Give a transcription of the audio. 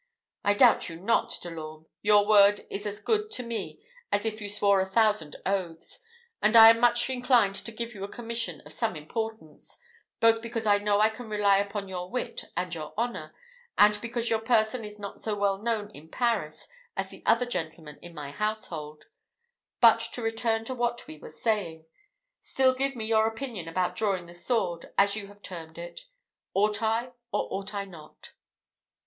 I doubt you not, De l'Orme; your word is as good to me as if you swore a thousand oaths; and I am much inclined to give you a commission of some importance, both because I know I can rely upon your wit and your honour, and because your person is not so well known in Paris as the other gentlemen of my household. But to return to what we were saying; still give me your opinion about drawing the sword, as you have termed it; ought I, or ought I not?"